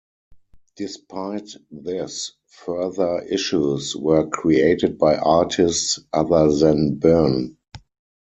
Despite this, further issues were created by artists other than Byrne.